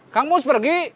kang mus pergi